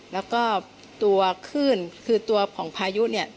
แล้วก็ตัวขึ้นคือตัวของพายุ